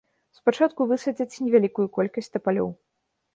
Спачатку высадзяць невялікую колькасць тапалёў.